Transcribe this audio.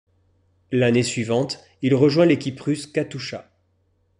L'année suivante, il rejoint l'équipe russe Katusha.